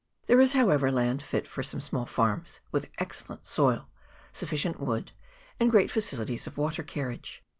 There is, however, land fit for some small farms, with excellent soil, sufficient wood, and great facilities of water carriage.